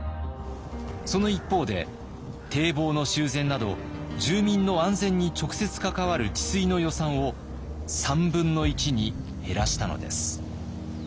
その一方で堤防の修繕など住民の安全に直接関わる治水の予算を３分の１に減らしたのです。